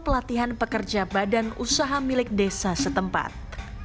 pelatihan pekerja badan usaha milik desa setempat